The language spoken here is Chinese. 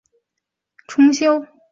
清雍正元年重修。